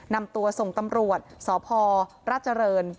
นำตัวส่งตำรวจสพราชเจริญ